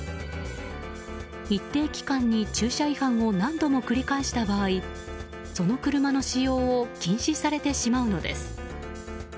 一定期間に駐車違反を何度も繰り返した場合その車の使用を禁止されてしまうのです。